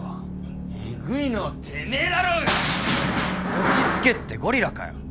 落ち着けってゴリラかよ。